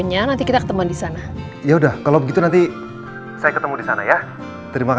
omah kita mau ketemu om bayi ya